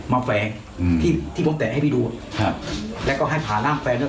แฝงอืมที่ที่ผมแตะให้พี่ดูครับแล้วก็ให้ผ่าร่างแฟนด้วย